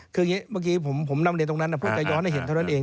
คืออย่างนี้เมื่อกี้ผมนำเรียนตรงนั้นเพื่อจะย้อนให้เห็นเท่านั้นเอง